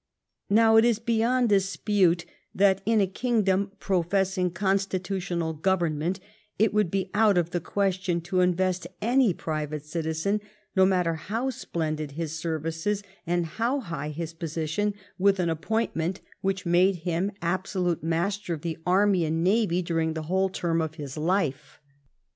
Now, it is beyond dispute that in a 828 THE TRIUMPH OF THE TORIES kingdom professing constitutional government it would be out of the question to invest any private citizen, no matter how splendid his services and how high his position, with an appointment which would make him absolute master of the army and navy during the whole term of his life.